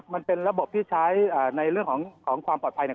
มันเป็นระบบที่ใช้ในเรื่องของความปลอดภัย